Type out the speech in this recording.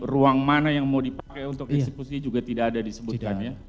ruang mana yang mau dipakai untuk eksekusi juga tidak ada disebutkan ya